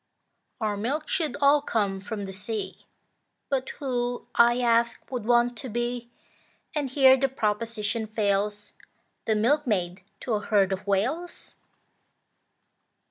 Our milk should all come from the sea, But who, I ask, would want to be, And here the proposition fails, The milkmaid to a herd of Whales?